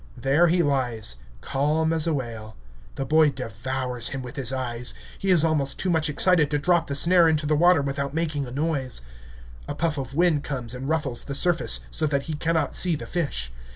There he lies, calm as a whale. The boy devours him with his eyes. He is almost too much excited to drop the snare into the water without making a noise. A puff of wind comes and ruffles the surface, so that he cannot see the fish.